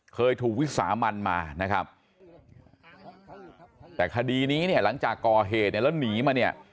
เคยถูกวิสามันมานะครับแต่คดีนี้เนี่ยหลังจากก่อเหตุเนี่ยแล้วหนีมาเนี่ย